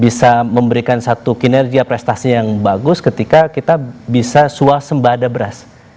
bisa memberikan satu kinerja prestasi yang bagus ketika kita bisa suasembada beras